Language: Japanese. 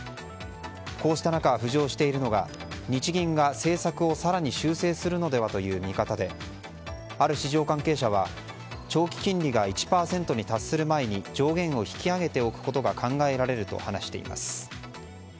こうした中、浮上しているのが日銀が、政策を更に修正するのではとの見方である市場関係者は長期金利が１％に達する前に上限を引き上げておくことが考えられると話しています。